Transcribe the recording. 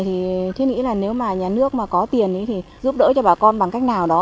thì thiết nghĩ là nếu mà nhà nước mà có tiền thì giúp đỡ cho bà con bằng cách nào đó